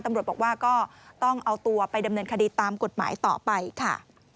ตำรวจบอกว่าก็ต้องเอาตัวไปดำเนินคดีตามกฎหมายต่อไปค่ะ